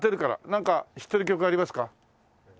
なんか知ってる曲ありますか？